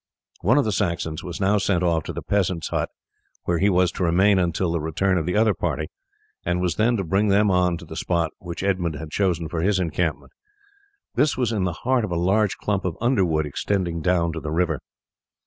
One of the Saxons was now sent off to the peasant's hut, where he was to remain until the return of the other party, and was then to bring them on to the spot which Edmund had chosen for his encampment. This was in the heart of a large clump of underwood extending down to the river.